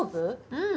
うん。